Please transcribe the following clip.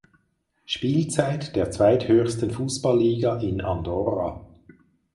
Spielzeit der zweithöchsten Fußballliga in Andorra.